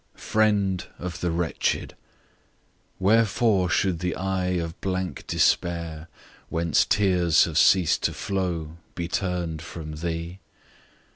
FRIEND of the wretched! wherefore should the eye Of blank Despair, whence tears have ceased to flow, Be turn'd from thee?